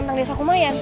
tentang desa kumayan